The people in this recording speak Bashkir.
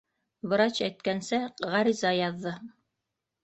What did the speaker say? Врач әйткәнсә, ғариза яҙҙы.